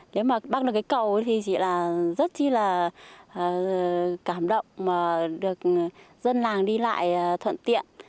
nếu mà băng được cái cầu thì chị là rất chi là cảm động mà được dân làng đi lại thuận tiện